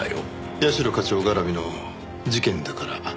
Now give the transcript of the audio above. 社課長絡みの事件だからですか？